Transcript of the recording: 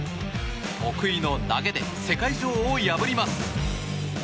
得意の投げで世界女王を破ります。